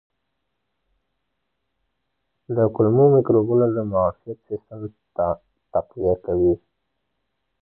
د کولمو مایکروبونه د معافیت سیستم تقویه کوي.